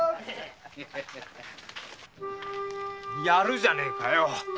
やるじゃねぇか